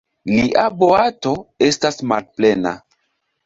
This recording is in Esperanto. Lia boato estas malplena.